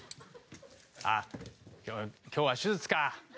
ああ今日は手術か。